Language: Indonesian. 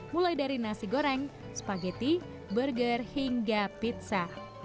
mulai dari nasi goreng spageti burger hingga pizza